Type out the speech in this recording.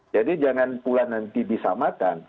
jadi jangan pula nanti disamakan